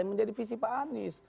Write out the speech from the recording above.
yang menjadi visi pak anies